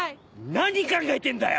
何考えてんだよ！